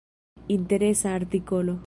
Interesa artikolo.